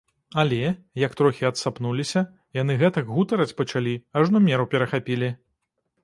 Але, як трохі адсапнуліся, яны гэтак гутарыць пачалі, ажно меру перахапілі.